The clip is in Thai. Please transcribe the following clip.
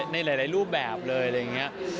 ในหลายรูปแบบเลย